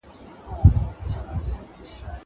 زه به ښوونځی ته تللی وي!